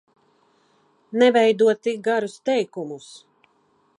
Neveido tik garus teikumus!